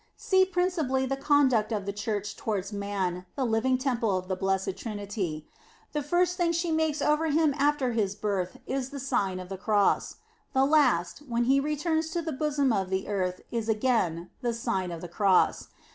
"* See principally the conduct of the Church towards man, the living temple of the Blessed Trinity. The first thing she makes over him after his birth is the Sign of the Cross ; the last, when he returns to the bosom of the earth is again the Sign of the Cross.